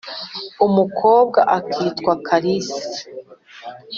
umukobwa akitwa kalisa